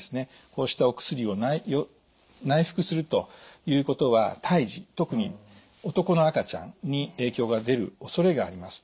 こうしたお薬を内服するということは胎児特に男の赤ちゃんに影響が出るおそれがあります。